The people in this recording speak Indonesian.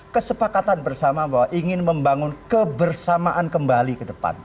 kesepakatan bersama bahwa ingin membangun kebersamaan kembali ke depan